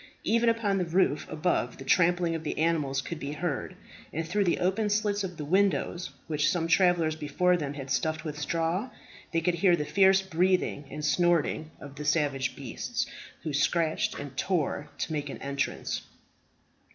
Even upon the roof above the trampling of the animals could be heard; and through the open slits of the windows which some travellers before them had stuffed with straw, they could hear the fierce breathing and snorting of the savage beasts, who scratched and tore to make an entrance.